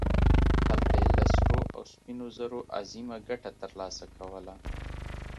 هلته یې له سرو او سپینو زرو عظیمه ګټه ترلاسه کوله.